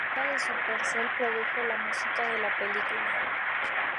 Ryo de Supercell produjo la música de la película.